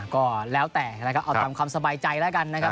ก็แล้วแต่นะครับเอาตามความสบายใจแล้วกันนะครับ